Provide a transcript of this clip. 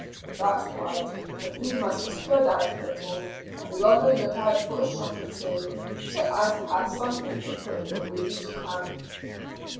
"That's right; but we must spread out a little, and be on the lookout for a shot or two, so as to have something to cook when we reach camp."